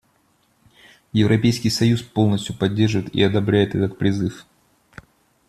Европейский союз полностью поддерживает и одобряет этот призыв.